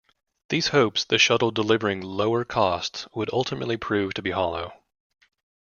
These hopes the Shuttle delivering lower costs would ultimately prove to be hollow.